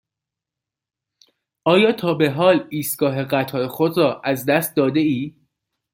آیا تا به حال ایستگاه قطار خود را از دست داده ای؟